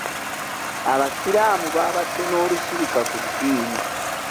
Abasiraamu baabadde n'olusirika ku ddiini.